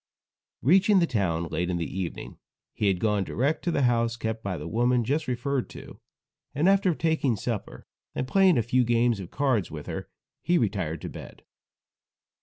Reaching the town late in the evening, he had gone direct to the house kept by the woman just referred to, and after taking supper and playing a few games of cards with her, he retired to bed.